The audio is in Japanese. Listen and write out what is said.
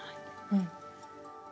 うん。